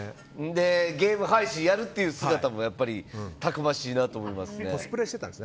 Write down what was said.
ゲーム配信やるっていう姿もたくましいなと思いますね。